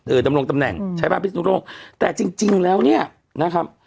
ดำรงตำแหน่งใช้บ้านพิศนุโลกแต่จริงจริงแล้วเนี้ยนะครับ